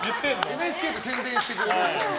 ＮＨＫで宣伝してくれる。